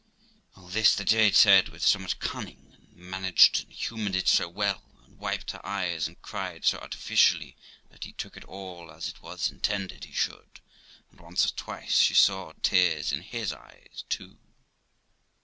246 THE LIFE OF ROXANA All this the jade said with so much cunning, and managed and humoured it so well, and wiped her eyes, and cried so artificially, that he took it all as it was intended he should, and once or twice she saw tears in his eyes too.